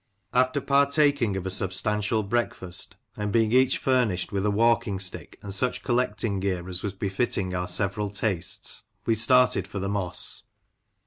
After partaking of a substantial breakfast, and being each furnished with a walking stick, and such collecting gear as was befitting our several tastes, we started for the Moss.